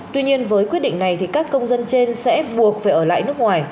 tuy nhiên với quyết định này thì các công dân trên sẽ buộc phải ở lại nước ngoài